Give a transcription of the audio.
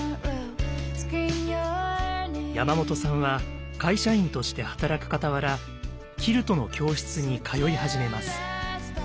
山本さんは会社員として働くかたわらキルトの教室に通い始めます。